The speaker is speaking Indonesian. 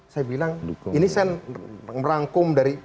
saya bilang ini saya merangkum dari